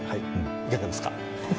いかがですか。